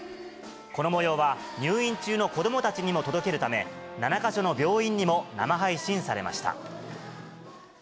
このもようは入院中の子どもたちにも届けるため、７か所の病院にも生配信されました。